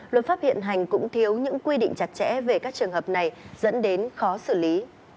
luật pháp hiện hành cũng thiếu những quy định chặt chẽ về các trường hợp này dẫn đến khó xử lý